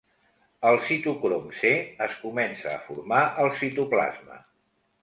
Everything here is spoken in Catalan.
El citocrom c es comença a formar al citoplasma.